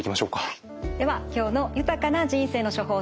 はいでは今日の「豊かな人生の処方せん」